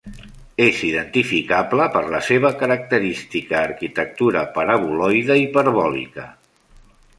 És identificable per la seva característica arquitectura paraboloide hiperbòlica.